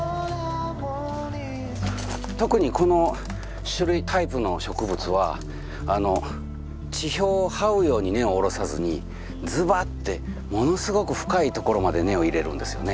特にこの種類タイプの植物は地表をはうように根を下ろさずにずばってものすごく深い所まで根を入れるんですよね。